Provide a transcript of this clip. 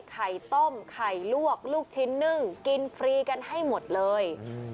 ไข่ต้มไข่ลวกลูกชิ้นนึ่งกินฟรีกันให้หมดเลย